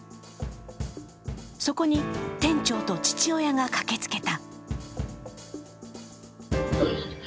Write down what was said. そこに店長と父親が駆けつけた。